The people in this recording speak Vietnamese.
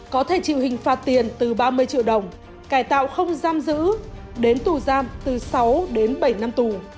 có thể chịu hình phạt tiền từ ba mươi triệu đồng cải tạo không giam giữ đến tù giam từ sáu đến bảy năm tù